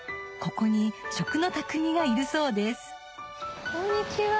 ここに食の匠がいるそうですこんにちは。